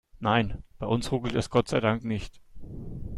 Nein, bei uns ruckelt es Gott sei Dank nicht.